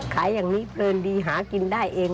ขายอย่างนี้เพลินดีหากินได้เอง